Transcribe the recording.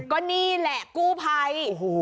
ก็นี่แหละกู้ภัย